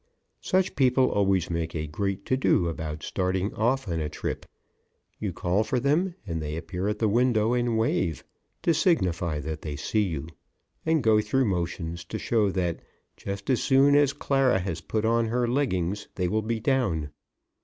Such people always make a great to do about starting off on a trip. You call for them and they appear at the window and wave, to signify that they see you, and go through motions to show that just as soon as Clara has put on her leggings they will be down.